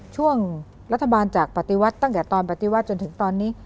ช่วงรัฐบาลจากปฏิวัติตั้งแต่ตอนปฏิวัติจนถึงตอนนี้